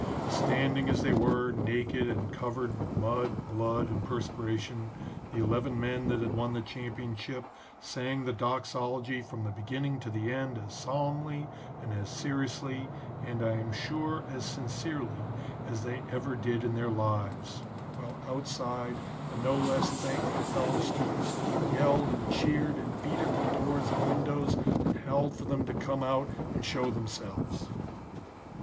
'" "Standing as they were, naked and covered with mud, blood and perspiration, the eleven men that had won the championship sang the Doxology from the beginning to the end as solemnly and as seriously, and I am sure, as sincerely, as they ever did in their lives, while outside the no less thankful fellow students yelled and cheered and beat at the doors and windows and howled for them to come out and show themselves.